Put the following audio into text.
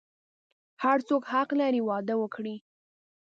هر څوک حق لری واده وکړی